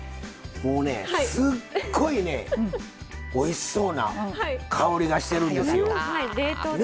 もうね、すっごいねおいしそうな香りがしてるんですよ。